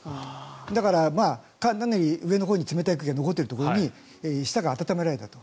だから、かなり上のほうに冷たい空気が残っているところに下が暖められたと。